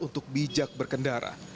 untuk bijak berkendara